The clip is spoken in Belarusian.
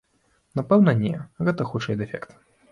Напэўна не, гэта хутчэй дэфект.